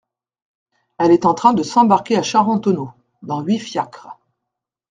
Elle est en train de s’embarquer à Charentonneau… dans huit fiacres…